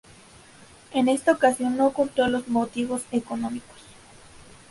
En esta ocasión no ocultó los motivos económicos.